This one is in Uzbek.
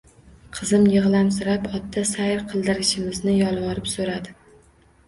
Qizim yig`lamsirab otda sayr qildirishimizni yolvorib so`rardi